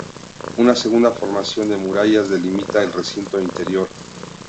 Una segunda formación de murallas delimita el recinto interior.